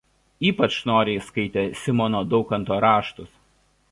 Ypač noriai skaitė Simono Daukanto raštus.